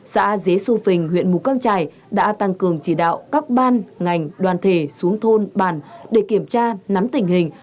xã dế xu phình huyện mù căng trải đã tăng cường chỉ đạo các ban ngành đoàn thể xuống thôn bản để kiểm tra nắm tình hình